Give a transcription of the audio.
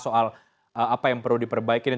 soal apa yang perlu diperbaiki dan